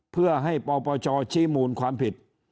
เพื่อให้ปปชชี้มูลความผิด